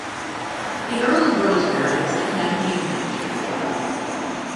The Earl of Rosebery was the campaign manager.